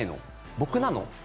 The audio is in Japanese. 僕なの？